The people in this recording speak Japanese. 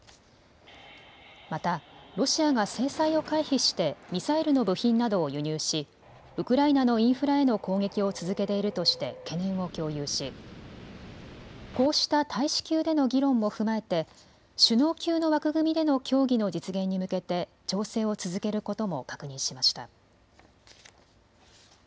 またロシアが制裁を回避してミサイルの部品などを輸入しウクライナのインフラへの攻撃を続けているとして懸念を共有しこうした大使級での議論も踏まえて首脳級の枠組みでの協議の実現に向けて調整を続けることも確認しました。